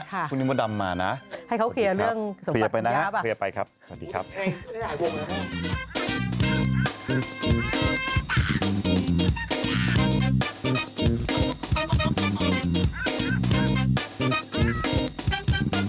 ให้เค้าเคลียร์เรื่องสมบัติของเรา